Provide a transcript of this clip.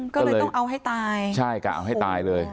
ก็เลยต้องเอาให้ตายใช่กะเอาให้ตายเลย